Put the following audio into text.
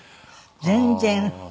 全然。